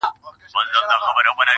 • ژوند مي هيڅ نه دى ژوند څه كـړم.